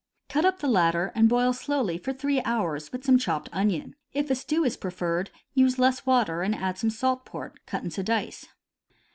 Cut up the latter and boil slowly for three hours with some chopped onion. If a stew is pre ferred, use less water, and add some salt pork cut into dice.